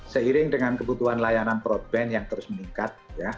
seiring dengan kebutuhan layanan broadband yang terus meningkat